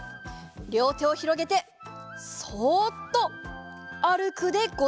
りょうてをひろげてそっとあるくでござる。